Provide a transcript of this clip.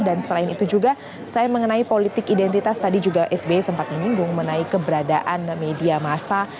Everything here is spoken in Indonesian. dan selain itu juga selain mengenai politik identitas tadi juga sby sempat menimbul mengenai keberadaan media masa